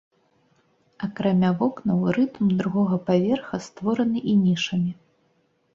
Акрамя вокнаў рытм другога паверха створаны і нішамі.